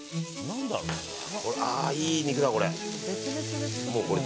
いい肉だ、これ。